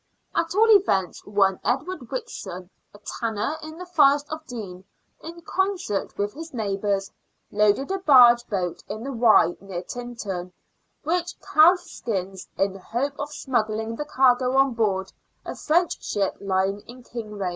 At all events, one Edward Whitson, a tanner in the Forest of Dean, in FATAL CONFLICT IN KINGROAD. 8» concert with his neighbours, loaded a large boat in the Wye, near Tintem, with calf skins, in the hope of smuggling the cargo on board a French ship lying in Kingroad.